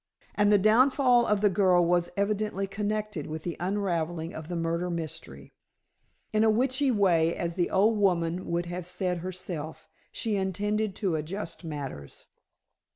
And the downfall of the girl was evidently connected with the unravelling of the murder mystery. In a witchly way, as the old woman would have said herself, she intended to adjust matters.